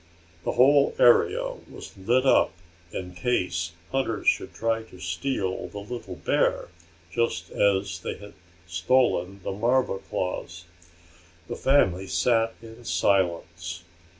The whole area was lit up in case hunters should try to steal the little bear just as they had stolen the marva claws. The family sat in silence.